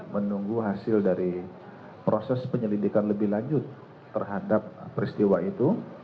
menunggu hasil dari proses penyelidikan lebih lanjut terhadap peristiwa itu